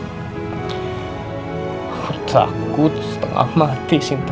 aku takut setengah mati sinta